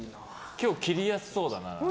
今日切りやすそうだな。